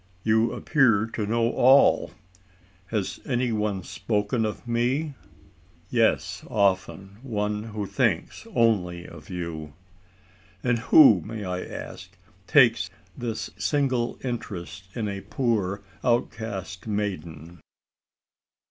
You appear to know all. Has any one spoken of me?" "Yes often one who thinks only of you." "And who, may I ask, takes this single interest in a poor outcast maiden?"